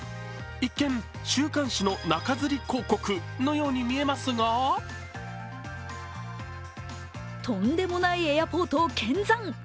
一見、週刊誌の中づり広告のように見えますがとんでもないエアポート見参！！